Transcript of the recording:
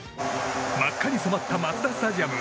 真っ赤に染まったマツダスタジアム。